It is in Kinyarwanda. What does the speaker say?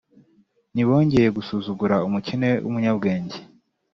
Ntibongeye gusuzugura umukene w’umunyabwenge,